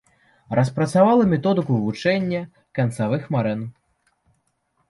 Распрацавала методыку вывучэння канцавых марэн.